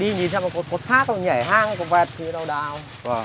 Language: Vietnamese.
đi nhìn xem có sát nhảy hang vẹt đào đào